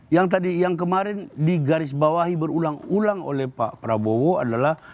yang kemarin di garis bawahi berulang ulang oleh pak prabowo adalah